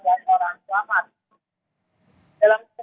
di jalan jalan bukit lumpur dulu